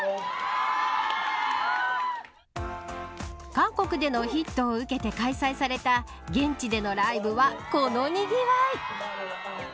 韓国でのヒットを受けて開催された現地でのライブはこのにぎわい。